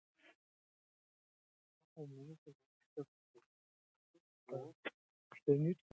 د وږو تږو د لاسنیوي سندرې ویل کېدې.